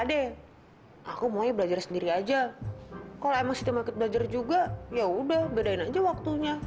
ade aku mau belajar sendiri aja kalau emang siti mau ikut belajar juga ya udah bedain aja waktunya